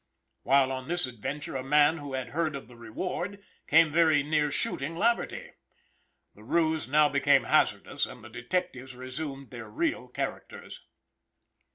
While on this adventure, a man who had heard of the reward came very near shooting Laverty. The ruse now became hazardous and the detectives resumed their real characters.